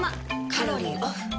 カロリーオフ。